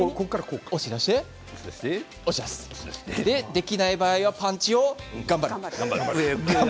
できない場合はパンチを頑張る。